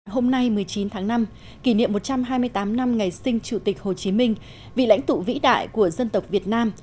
hôm nay một mươi chín tháng năm kỷ niệm một trăm hai mươi tám năm ngày sinh chủ tịch hồ chí minh vị lãnh tụ vĩ đại của dân tộc việt nam